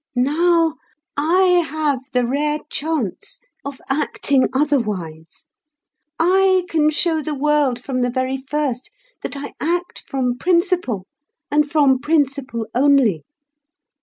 Now, I have the rare chance of acting otherwise; I can show the world from the very first that I act from principle, and from principle only.